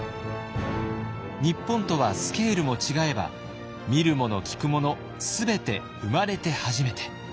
日本とはスケールも違えば見るもの聞くもの全て生まれて初めて。